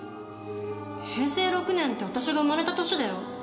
平成６年って私が生まれた年だよ。